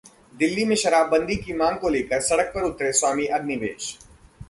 दिल्ली में शराबबंदी की मांग को लेकर सड़क पर उतरे स्वामी अग्निवेश